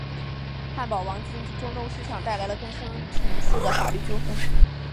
汉堡王进驻中东市场带来了更深层次的法律纠纷。